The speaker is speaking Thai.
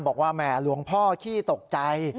แหม่หลวงพ่อขี้ตกใจ